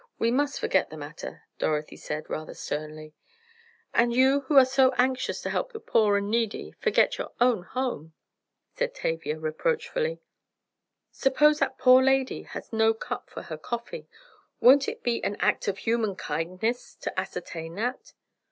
We must forget the matter," Dorothy said rather sternly. "And you who are so anxious to help the poor and needy, forget your own home!" said Tavia reproachfully. "Suppose that poor lady has no cup for her coffee? Won't it be an act of human kindness to ascertain that?"